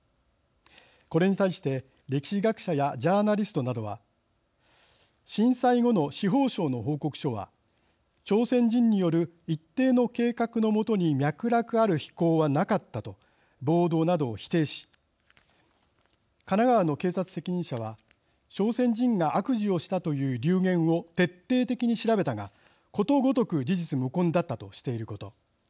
これに対して歴史学者やジャーナリストなどは震災後の司法省の報告書は朝鮮人による一定の計画の下に脈絡ある非行はなかったと暴動などを否定し神奈川の警察責任者は朝鮮人が悪事をしたという流言を徹底的に調べたがことごとく事実無根だったとしていること。